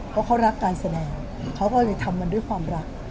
เพราะเขารักการแสดงเขาก็เลยทำมันด้วยความรัก